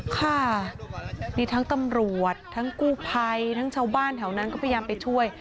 ค่ะมีทั้งตำรวจทั้งกู้ภัยทั้งชาวบ้านแถวนั้นก็พยายามไปช่วย